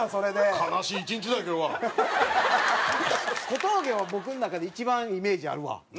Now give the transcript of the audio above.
小峠は僕の中で一番イメージあるわ。